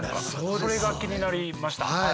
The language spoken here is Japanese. それが気になりました。